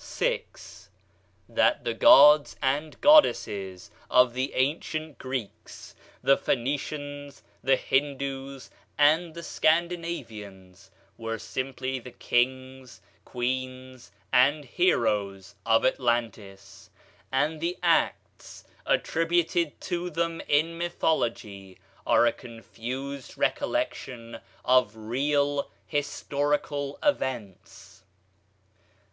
6. That the gods and goddesses of the ancient Greeks, the Phoenicians, the Hindoos, and the Scandinavians were simply the kings, queens, and heroes of Atlantis; and the acts attributed to them in mythology are a confused recollection of real historical events.